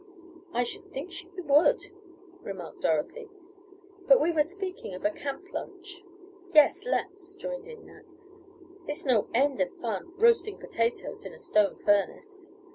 "I should think she would," remarked Dorothy. "But we were speaking of a camp lunch " "Yes, let's," joined in Nat. "It's no end of fun, roasting potatoes in a stone furnace."